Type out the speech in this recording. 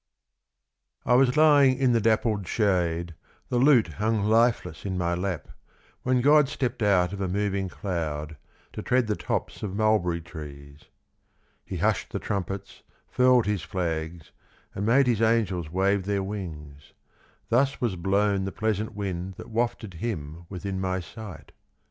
I was lying in the dappled shade, The lute hung lifeless in my lap, When God stepped out of a moving cloud To tread the tops of mulberry trees. He hushed the trumpets, furled his flags, And made his angels wave their wings; Thus was blown the pleasant wind That wafted him within my sight.